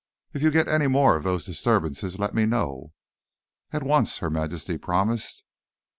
"If you get any more of those disturbances, let me know." "At once," Her Majesty promised.